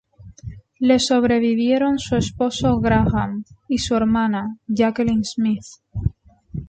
Le sobrevivieron su esposo Graham, y su hermana, Jacqueline Smith.